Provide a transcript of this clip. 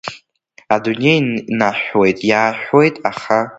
Адунеи наҳәуеит, иааҳәуеит, аха…